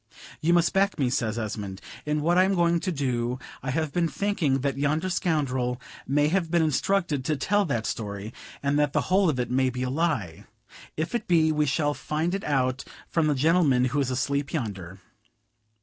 "You must back me," says Esmond, "in what I am going to do. I have been thinking that yonder scoundrel may have been instructed to tell that story, and that the whole of it may be a lie; if it be, we shall find it out from the gentleman who is asleep yonder.